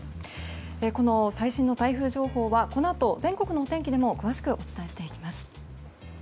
この最新の台風情報はこのあと全国の天気でも詳しくお伝えしていきます。